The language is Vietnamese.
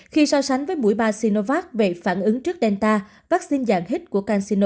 khi so sánh với mũi ba sinovac về phản ứng trước delta vaccine dạng hít của canxino